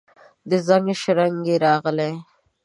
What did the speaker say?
د زنګ شرنګی راغلي